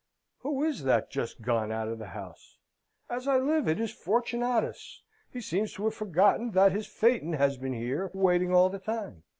"Who is that just gone out of the house? As I live, it's Fortunatus! He seems to have forgotten that his phaeton has been here, waiting all the time.